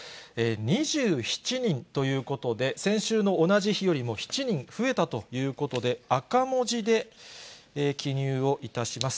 ２７人ということで、先週の同じ日よりも７人増えたということで、赤文字で記入をいたします。